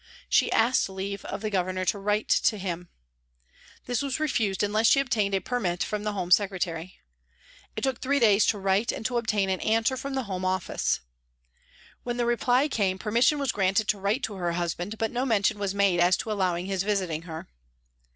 She asked leave of the Governor to write to him. This was refused unless she obtained a permit from the Home Secre tary. It took three days to write to and obtain an answer from the Home Office. When the reply came, permission was granted to write to her hus band, but no mention was made as to his visiting her.